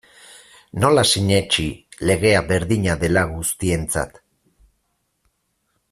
Nola sinetsi legea berdina dela guztientzat?